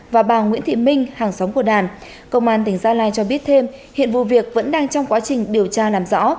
và bà nguyễn thị minh hàng sống của đàn công an tỉnh gia lai cho biết thêm hiện vụ việc vẫn đang trong quá trình điều tra làm rõ